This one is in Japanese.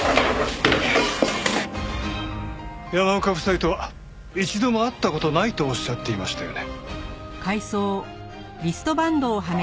山岡夫妻とは一度も会った事ないとおっしゃっていましたよね？